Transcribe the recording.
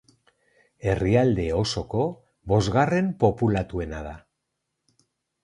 Herrialde osoko bosgarren populatuena da.